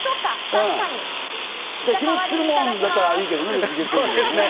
日持ちするもんならいいけどね。